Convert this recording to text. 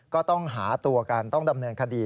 ก็ต้องหาตัวกันต้องดำเนินคดี